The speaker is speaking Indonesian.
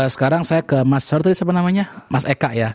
sekarang saya ke mas eka